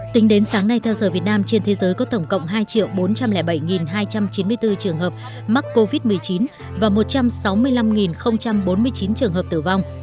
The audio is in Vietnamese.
tính đến sáng nay theo giờ việt nam trên thế giới có tổng cộng hai bốn trăm linh bảy hai trăm chín mươi bốn trường hợp mắc covid một mươi chín và một trăm sáu mươi năm bốn mươi chín trường hợp tử vong